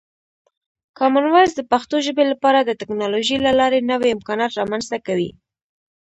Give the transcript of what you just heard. کامن وایس د پښتو ژبې لپاره د ټکنالوژۍ له لارې نوې امکانات رامنځته کوي.